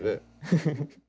フフフ。